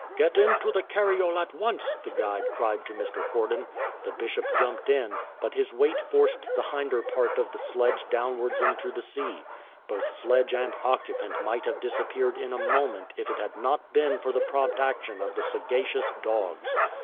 " Get into the cariole at once !" the guide cried to Mr. Horden. The Bishop jumped in, but his weight forced the hinder part of the sledge downwards into the sea. Both sledge and occupant might have disappeared in a moment if it had not been for the prompt action of the sagacious dogs.